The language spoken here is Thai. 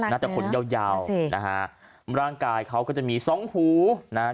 จะขนยาวยาวนะฮะร่างกายเขาก็จะมีสองหูนะฮะ